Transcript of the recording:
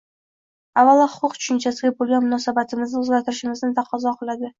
avvalo huquq tushunchasiga bo‘lgan munosabatimizni o‘zgartirishimizni taqozo qiladi.